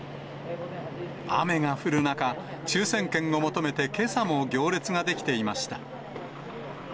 雨が降る中、抽せん券を求めてけさも行列が出来ていました。